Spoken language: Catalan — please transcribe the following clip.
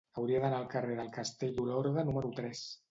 Hauria d'anar al carrer del Castell d'Olorda número tres.